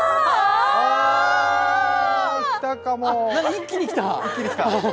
一気に来た。